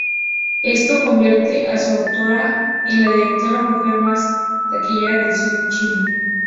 Esto convierte a su autora en la directora mujer más taquillera del cine chino.